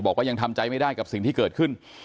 บอกว่ายังทำใจไม่ได้กับสิ่งที่เกิดขึ้น